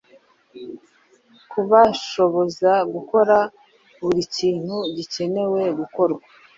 kubashoboza gukora buri kintu gikenewe gukorwa.